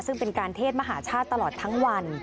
ซึ่งเป็นการเทศมหาชาติตลอดทั้งวัน